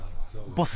ボス